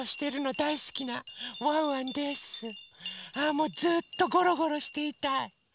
もうずっとゴロゴロしていたい。